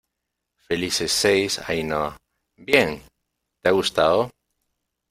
felices seis, Ainhoa. ¡ bien! ¿ te ha gustado?